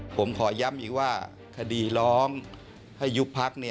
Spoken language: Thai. ผมขอย้ำอีกว่าคดีร้องให้ยุบพัก